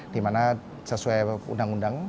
dimana sesuai undang undang